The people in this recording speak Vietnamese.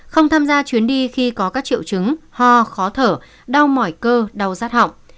không tham gia chuyến đi khi có các triệu chứng ho khó thở đau mỏi cơ đau rát họng